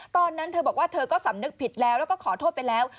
ตอนนั้นเธอบอกว่าเธอก็สำนึกผิดแล้วแล้วก็ขอโทษไปแล้ว